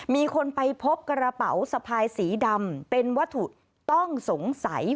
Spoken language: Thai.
มีคนไปพบกระเป๋าสะพายสีดำเป็นวัตถุต้องสงสัย